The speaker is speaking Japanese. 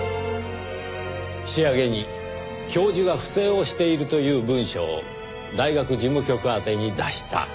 仕上げに教授が不正をしているという文書を大学事務局宛てに出した。